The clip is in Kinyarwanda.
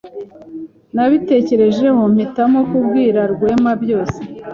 Nabitekerejeho mpitamo kubwira Rwema byose.